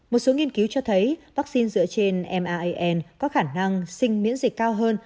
một số nghiên cứu cho thấy vaccine dựa trên maan có khả năng sinh miễn dịch cao hơn